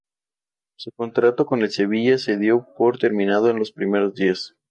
Su contrato con el Sevilla se dio por terminado en los primeros días.